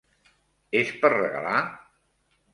És per regalar?